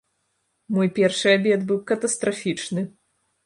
Мой першы абед быў катастрафічны!